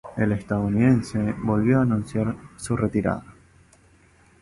El estadounidense volvió a anunciar su retirada.